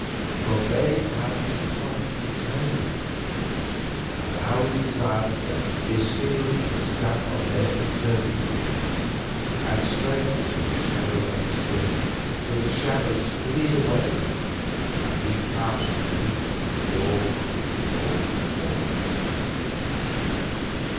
For they have become eternal, and our desire for them is sealed with the stamp of their eternity, and strengthens in the shadow of its wings till the shadows flee away and we pass to greet them in the dawn of the immortal morning.